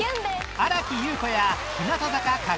新木優子や日向坂影山